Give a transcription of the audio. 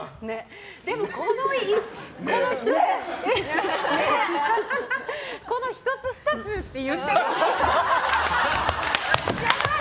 でもこの１つ、２つっていうのが。